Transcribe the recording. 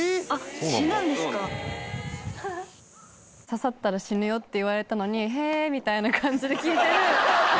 「刺さったら死ぬよ」って言われたのに「へぇ」みたいな感じで聞いてる。